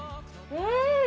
うん！